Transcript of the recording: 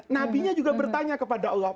nabi ini juga bertanya kepada allah